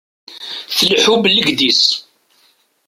Tleḥḥu bellegdis.